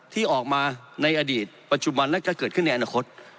ที่ออกมาในอดีตปัจจุบันและก็เกิดขึ้นในอนาคต